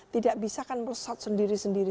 tidak bisa kan merusak sendiri sendiri